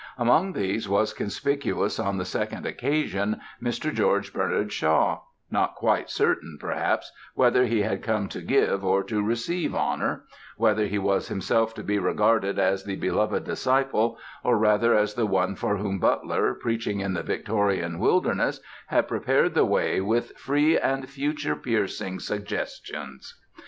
Among these was conspicuous on the second occasion Mr. George Bernard Shaw, not quite certain, perhaps, whether he had come to give or to receive honor, whether he was himself to be regarded as the beloved disciple or rather as the one for whom Butler, preaching in the Victorian wilderness, had prepared the way with "free and future piercing suggestions."